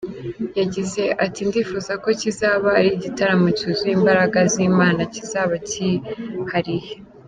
Yagize ati “Ndifuza ko kizaba ari gitaramo cyuzuye imbaraga z’Imana kizaba cyihariye.